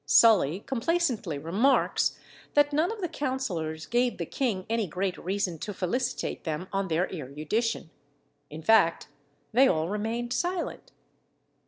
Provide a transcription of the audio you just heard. Sully complacently remarks, that none of the councillors gave the king any great reason to felicitate them on their erudition. In fact, they all remained silent.